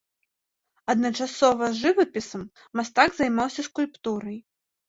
Адначасова з жывапісам мастак займаўся скульптурай.